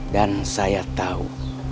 dan saya tahu